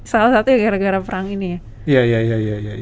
salah satunya gara gara perang ini ya